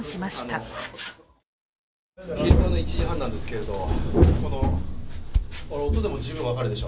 今、昼間の１時半なんですけど、この音でも十分分かるでしょ？